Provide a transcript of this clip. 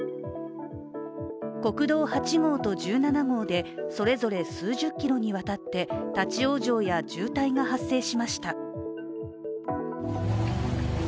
国道８号と１７号で、それぞれ数十キロにわたって立往生や渋滞が発生しました。